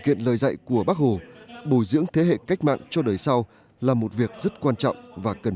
kiện lời dạy của bác hồ bồi dưỡng thế hệ cách mạng cho đời sau là một việc rất quan trọng và cần